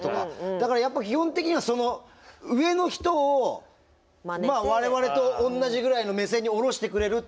だからやっぱ基本的には上の人をまあ我々とおんなじぐらいの目線に下ろしてくれるっていうのが。